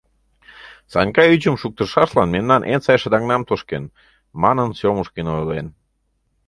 Санька ӱчым шуктышашлан мемнан эн сай шыдаҥнам тошкен, манын Сёмушкин ойлен.